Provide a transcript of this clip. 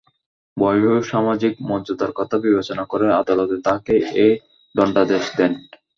বয়স ও সামাজিক মর্যাদার কথা বিবেচনা করে আদালত তাঁকে এই দণ্ডাদেশ দেন।